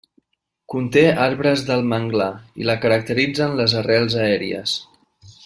Conté arbres del manglar, i la caracteritzen les arrels aèries.